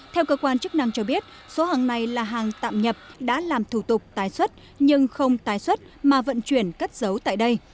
theo cơ quan chức năng cho biết số hàng này là hàng tạm nhập đã làm thủ tục tái xuất nhưng không tái xuất mà vận chuyển cất giấu tại đây